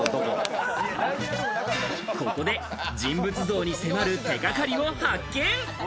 ここで人物像に迫る手掛かりを発見！